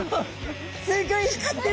すっギョい光ってる！